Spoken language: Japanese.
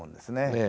ええ。